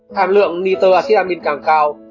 hàm lượng nitroacid amine càng cao